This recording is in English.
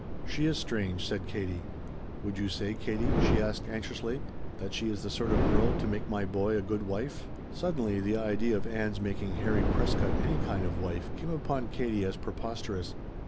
"She is strange," said Katie. "Would you say, Katie," she asked anxiously, "that she is the sort of girl to make my boy a good wife?" Suddenly the idea of Ann's making Harry Prescott any kind of wife came upon Katie as preposterous.